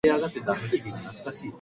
ホラふたりだけの静かな夜を